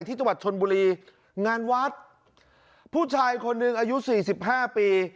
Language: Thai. ที่ตระวัดชลบุรีงานวัดผู้ชายคนนึงอายุ๔๕ปี